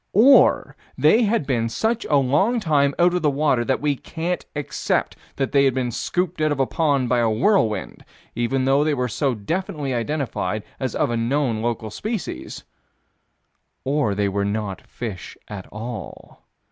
Or they had been such a long time out of water that we can't accept that they had been scooped out of a pond, by a whirlwind even though they were so definitely identified as of a known local species Or they were not fish at all.